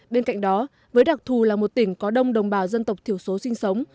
bên cạnh đó với đặc thù là một tỉnh có đông đồng bào dân tộc thiểu số sinh sống